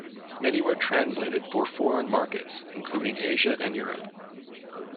Many were translated for foreign markets, including Asia and Europe.